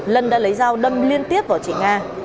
lân đã lấy dao đâm liên tiếp vào chị nga